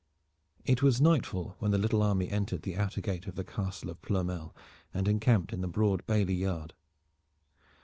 It was nightfall when the little army entered the outer gate of the Castle of Ploermel and encamped in the broad Bailey yard.